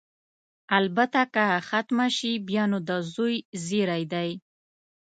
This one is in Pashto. البته که ختمه شي، بیا نو د زوی زېری دی.